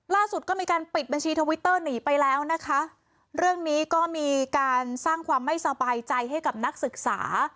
ล่าสุดก็มีการปิดบัญชีทวิตเตอร์หนีไปแล้วนะคะเรื่องนี้ก็มีการสร้างความไม่สบายใจให้กับนักศึกษา